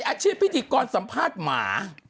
อาชีพพิธีกรสัมภาษณ์หมา